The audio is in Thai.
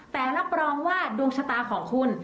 แต่รับรองว่าดวงชะตาของคุณ